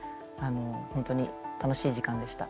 本当に楽しい時間でした。